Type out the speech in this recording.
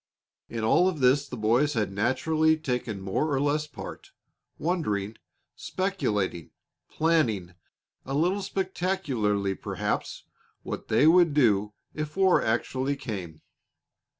In all of this the boys had naturally taken more or less part, wondering, speculating, planning a little spectacularly, perhaps what they would do if war actually came.